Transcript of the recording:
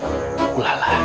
ustaz musa yang mulia dasantun